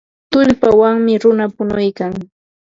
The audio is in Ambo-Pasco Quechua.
Tullpawmi runa punuykan.